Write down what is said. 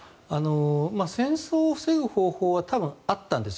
戦争を防ぐ方法は多分あったんですよ。